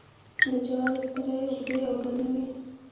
د جوارو سترۍ اوږدې او گڼې وي.